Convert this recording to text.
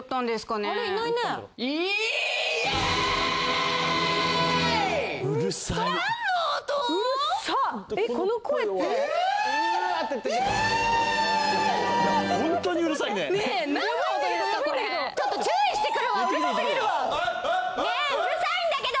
ねえうるさいんだけど！